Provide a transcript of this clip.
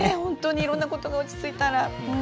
いろんなことが落ち着いたら。